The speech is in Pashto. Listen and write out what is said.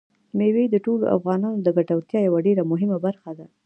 مېوې د ټولو افغانانو د ګټورتیا یوه ډېره مهمه برخه ده.